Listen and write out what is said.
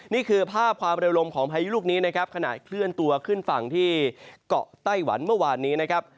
นี่คือภาพความเร็วลมของพายุลูกนี้นะครับขณะเคลื่อนตัวขึ้นฝั่งที่เกาะไต้หวันเมื่อวานนี้นะครับ